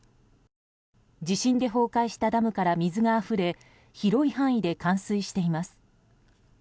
地震で崩壊したダムから水があふれ広い範囲で冠水しています。